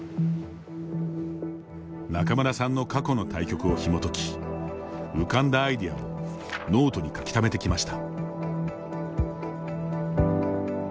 仲邑さんの過去の対局をひもとき浮かんだアイデアをノートに書きためてきました。